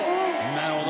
なるほど。